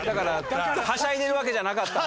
はしゃいでるわけじゃなかった。